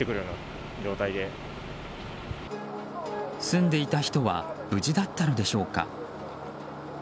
住んでいた人は無事だったのでしょうか。